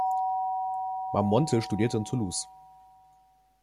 Marmontel studierte in Toulouse.